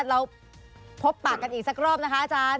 เราพบปากกันอีกสักรอบนะคะอาจารย์